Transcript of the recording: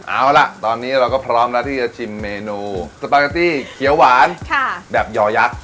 เอาล่ะตอนนี้เราก็พร้อมแล้วที่จะชิมเมนูสปาเกตตี้เขียวหวานแบบยอยักษ์